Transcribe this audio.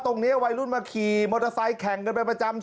ตรงนี้วัยรุ่นมาขี่มอเตอร์ไซค์แข่งกันไปประจำ